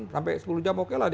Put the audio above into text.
sampai sepuluh jam oke lah